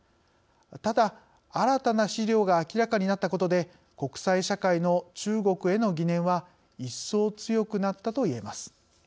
ただ、新たな資料が明らかになったことで国際社会の中国への疑念は一層、強くなったと言えます。